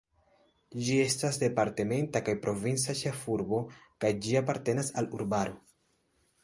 Ĝi estas departementa kaj provinca ĉefurbo kaj ĝi apartenas al urbaro.